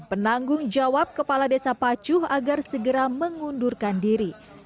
penanggung jawab kepala desa pacuh agar segera mengundurkan diri